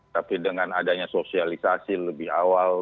tapi dengan adanya sosialisasi lebih awal